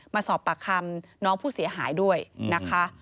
มาสอบปากคำน้องผู้เสียหายด้วยนะคะ